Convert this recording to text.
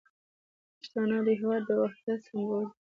پښتانه د هیواد د وحدت سمبول دي.